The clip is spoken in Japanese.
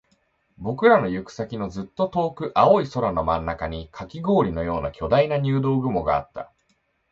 僕らの行く先のずっと遠く、青い空の真ん中にカキ氷のような巨大な入道雲があった